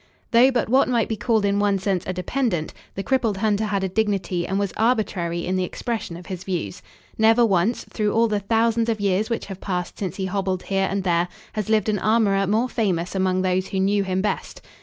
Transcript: Though but what might be called in one sense a dependent, the crippled hunter had a dignity and was arbitrary in the expression of his views. Never once, through all the thousands of years which have passed since he hobbled here and there, has lived an armorer more famous among those who knew him best.